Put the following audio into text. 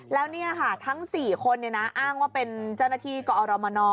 แล้วนี่ค่ะทั้ง๔คนอ้างว่าเป็นเจ้าหน้าที่กอรมน